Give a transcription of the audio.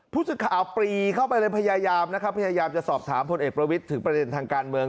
ผู้สื่อข่าวปรีเข้าไปเลยพยายามนะครับพยายามจะสอบถามพลเอกประวิทย์ถึงประเด็นทางการเมือง